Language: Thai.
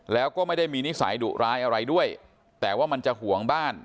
แล้วก็ไม่ได้มีนิสัยดุร้ายอะไรด้วยแต่ว่ามันจะห่วงบ้าน